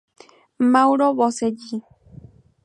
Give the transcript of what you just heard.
Mauro Boselli